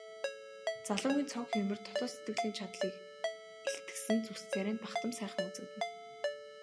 Залуугийн цог хийморь дотоод сэтгэлийн чадлыг илтгэсэн зүс царай нь бахдам сайхан үзэгдэнэ.